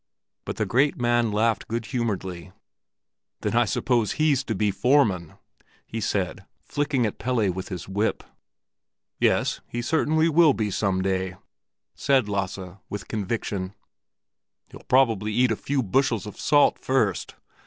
But the great man laughed good humoredly. "Then I suppose he's to be foreman?" he said, flicking at Pelle with his whip. "Yes, he certainly will be some day," said Lasse, with conviction. "He'll probably eat a few bushels of salt first.